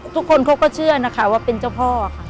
ทุกคนเขาก็เชื่อนะคะว่าเป็นเจ้าพ่อค่ะ